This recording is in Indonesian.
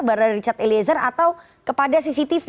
barada richard eliezer atau kepada cctv